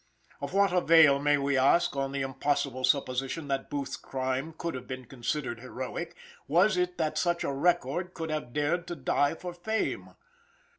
Of what avail, may we ask, on the impossible supposition that Booth's crime could have been considered heroic, was it that such a record should have dared to die for fame?